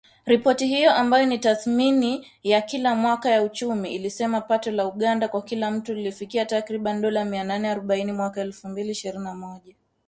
Ripoti hiyo, ambayo ni tathmini ya kila mwaka ya uchumi, ilisema pato la taifa la Uganda kwa kila mtu lilifikia takriban dola Mia nane arubaini mwaka wa elfu mbili ishirini na moja